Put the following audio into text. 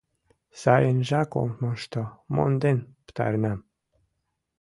Сайынжак ом мошто: монден пытаренам.